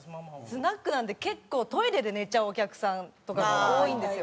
スナックなんで結構トイレで寝ちゃうお客さんとかが多いんですよ。